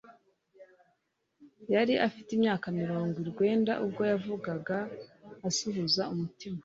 Yari afite imyaka mirongo urwenda ubwo yavugaga asuhuza umutima,